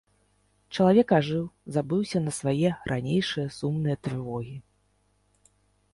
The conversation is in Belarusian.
Чалавек ажыў, забыўся на свае ранейшыя сумныя трывогі.